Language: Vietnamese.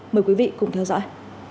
mời quý vị cùng theo dõi